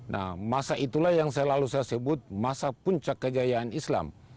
nah masa itulah yang selalu saya sebut masa puncak kejayaan islam